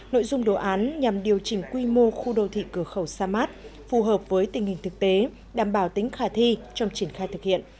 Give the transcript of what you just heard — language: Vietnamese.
nội dung đồ án nhằm điều chỉnh quy mô khu đô thị cửa khẩu sa mát phù hợp với tình hình thực tế đảm bảo tính khả thi trong triển khai thực hiện